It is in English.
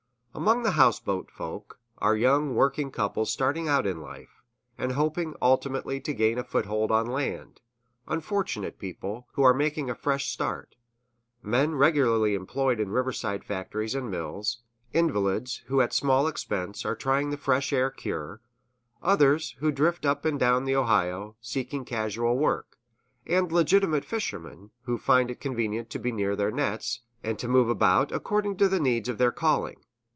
Among the houseboat folk are young working couples starting out in life, and hoping ultimately to gain a foothold on land; unfortunate people, who are making a fresh start; men regularly employed in riverside factories and mills; invalids, who, at small expense, are trying the fresh air cure; others, who drift up and down the Ohio, seeking casual work; and legitimate fishermen, who find it convenient to be near their nets, and to move about according to the needs of their calling.